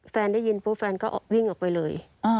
ได้ยินปุ๊บแฟนก็วิ่งออกไปเลย